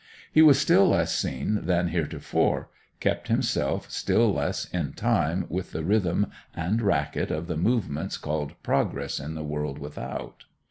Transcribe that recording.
He was still less seen than heretofore, kept himself still less in time with the rhythm and racket of the movements called progress in the world without.